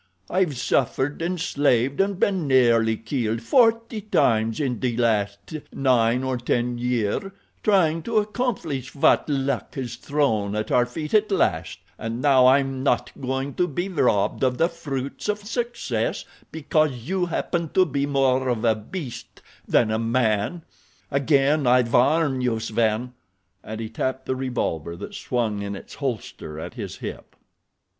I've suffered and slaved and been nearly killed forty times in the last nine or ten years trying to accomplish what luck has thrown at our feet at last, and now I'm not going to be robbed of the fruits of success because you happen to be more of a beast than a man. Again I warn you, Sven—" and he tapped the revolver that swung in its holster at his hip.